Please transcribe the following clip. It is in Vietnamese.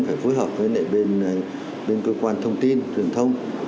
phải phối hợp với lại bên cơ quan thông tin truyền thông